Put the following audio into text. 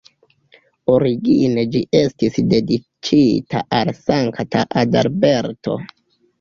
Origine ĝi estis dediĉita al Sankta Adalberto.